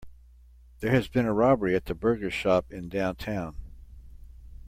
There has been a robbery at the burger shop in downtown.